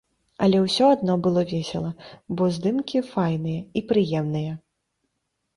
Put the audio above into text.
Але ўсё адно было весела, бо здымкі файныя і прыемныя.